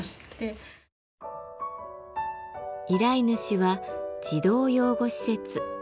依頼主は児童養護施設。